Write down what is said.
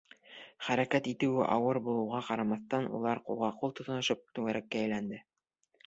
Хәрәкәт итеүе ауыр булыуға ҡарамаҫтан, улар ҡулға-ҡул тотоношоп түңәрәктә әйләнде.